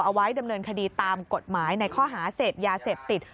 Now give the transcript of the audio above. เอาไว้เริ่มเริ่มคดีตามกฎหมายในข้อหาเศษยาเสพติด